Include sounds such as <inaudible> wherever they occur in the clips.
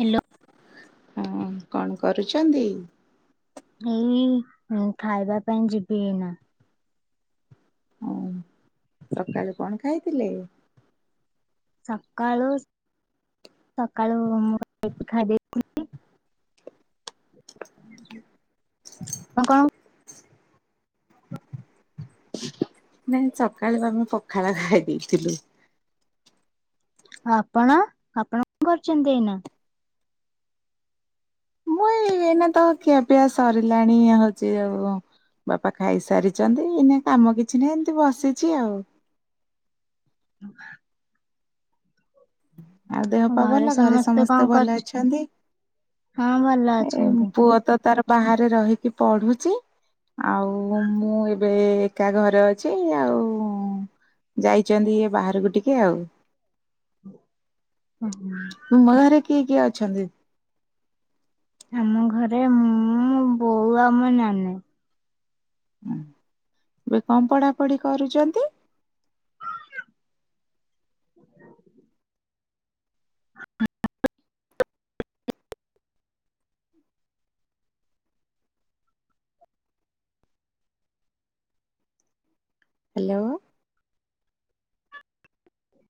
Hello ହଁ କଣ କରୁଛନ୍ତି ଏଇ ଖାଇବା ପାଇଁ ଯିବି ନା ହଁ ସକାଳେ କଣ ଖାଇଥିଲେ ସକାଳୁ ସକାଳୁ ମୁଁ ଖାଇଦେଇଥିଲି ଆଉ କଣ? ନାଇଁ ସକାଳୁ ଆମେ ପଖାଳ ଖାଇ ଦେଇେଇଥିଲୁ। ଆପଣ ଆପଣ କଣ କରୁଛନ୍ତି ଏଇନା? ମୁଁ ଏଇ ନା ତ ଖିଆ, ପିଆ ସରିଲାଣି, ହୋଉଛି ଆଉ ବାପା ଖାଇସାରିଛନ୍ତି। ଏଇନା କାମ କିଛି ନାହିଁ। ଏମିତି ବସିଛି ଆଉ <unintelligible> ଆଉ ଦେହପା ଭଲ ଘରେ ସମସ୍ତେ ଭଲ ଅଛନ୍ତି। ହଁ ଭଲ ଏ ଅଛନ୍ତି। ପୁଅ ତ ତାର ବାହାରେ ରହିକି ପଢୁଛି। ଆଉ ମୁଁ ଏବେ ଏକା ଘରେ ଅଛି ଆଉ ଯାଇଛନ୍ତି ଇଏ ବାହାରକୁ ଟିକେ ଆଉ ତୁମ ଘରେ <unintelligible> କିଏ କିଏ ଅଛନ୍ତି? ଆମ ଘରେ ମୁଁ ବୋଉ ଆମ ନାନୀ ହଁ ଏବେ କଣ ପଢାପଢି କରୁଛନ୍ତି? <unintelligible> ହାଲୋ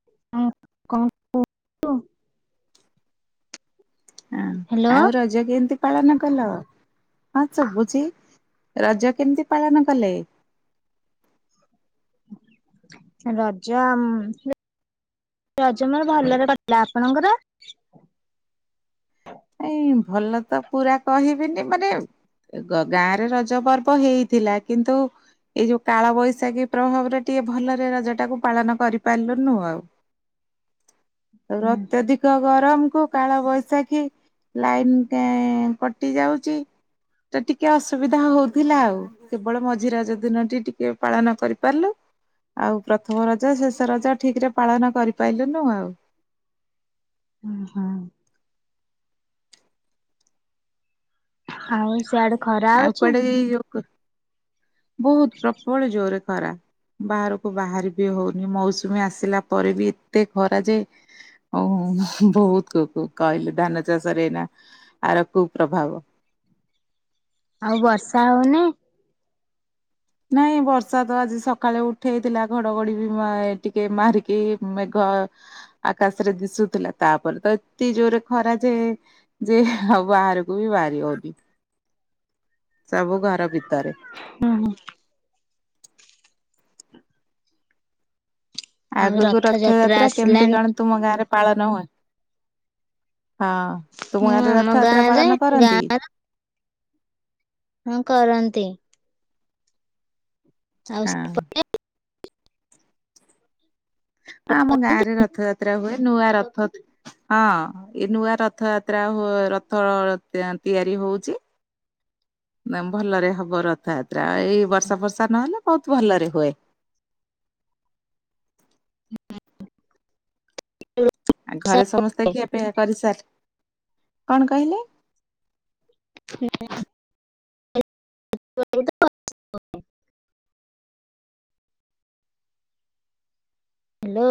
<unintelligible> ହଁ ହ୍ୟାଲୋ ଆଉ ରଜ କେମିତି? ପାଳନ କଲ ହଁ ଶୁଭୁଛି ରଜ କେମିତି ପାଳନ କଲେ? <unintelligible> ରଜ ଆମର ଭଲରେ କଟିଲା। ଆପଣଙ୍କର? ଏଇ ଭଲ ତ ପୁରା କହିବିନି ମାନେ ଗ - ଗାଁ ରେ ରଜ ପର୍ବ ହେଇଥିଲା। କିନ୍ତୁ ଏଇ ଯୋଉ କାଳ ବୈଶାଖୀ ପ୍ରଭାବରେ ଟିକେ ଭଲରେ ରଜ ଟାକୁ ପାଳନ କରିପାରିଲୁନୁ ଆଉ ଆ ଅତ୍ୟଧିକ ଗରମକୁୁ କାଳ ବୈଶାଖୀ ଲାଇନ୍ ଟେ କଟିଯାଉଛି। ଟିକେ ଅସୁବିଧା ହଉଥିଲା। ଆଉ କେବଳ ମଝି ରଜ ଦିନଟି ଟିକେ ପାଳନ କରିପାରିଲୁ। ଆଉ ପ୍ରଥମ ରଜ, ଶେଷ ରଜ ଠିକ୍ ରେ ପାଳନ କରିପାରିଲୁନୁ ଆଉ ହୁଁ, ହୁଁ ଆଉ ସ୍ୟାଡେ <unintelligible> ବୋହୁତ୍ ପ୍ରବଳ ଜୋରେ ଖରା। ବାହାରକୁ ବାହାର ବି ହଉନି। ମୌସୁମି ଆସିଲା ପରେ ବି ଏତେ ଖରା ଯେ ବୋହୁତ୍ କୁ -କୁ କହିଲି ଧାନ ଚାଷ ରେ ନାଁ ଆର କୁ ପ୍ରଭାବ ଆଉ ବର୍ଷା ହଉନି? ନାଇଁ ବର୍ଷା ତ ଆଜି ସକାଳେ ଉଠେଇଥିଲା ଘଡଘଡି ବି ମା - ଟିକେ ମାରିକି ଆକାଶରେ ଦିଶୁଥିଲା ତାପରେ ତ ଏତେ ଜୋରେ ଖରା ବାହହାରକୁ ବି ବାହାରି ହୋଉନି। ସବୁ ଘର ଭିତରେ। ଆଉ ଆଗକୁ ରଥଯାତ୍ରା କେମିତି ଆସିଲାଣି କଣ ତୁମ ଗାଁ ରେ ପାଳନ ହୁଏ? ହଁ ହଁ ତୁମ ଗାଁ ରେ ଆମ ରଥ ଗାଁ ଯାତ୍ରା ରେ ପାଳନ କରନ୍ତି। ହଁ କରନ୍ତି। ଆଉ ହଁ। ସେପଟେ ଆମ ଗାଁରେ ରଥଯାତ୍ରା ହୁଏ ନୂଆ ରଥ ହଁ ଏ ନୂଆ ରଥଯାତ୍ରା ହୋ -ରଥ ତି ତିଆରି ହଉଛି ଭଲରେ ହବ ରଥଯାତ୍ରା ଏଇ ବର୍ଷା ଫର୍ଷା ନହେଲେ ବହୁତ ଭଲରେ ହୁଏ। <unintelligible> ଆଉ ଘରେ ସମସ୍ତେ ଖିଆ ପିଆ କରିସାର କଣ କହିଲେ <inaudible> <unintelligible> ହ୍ୟାଲୋ।